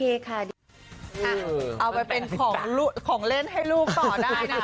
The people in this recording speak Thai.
เอาไปเป็นของเล่นให้ลูกต่อได้นะคะ